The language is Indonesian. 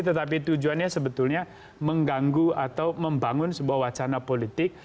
tetapi tujuannya sebetulnya mengganggu atau membangun sebuah wacana politik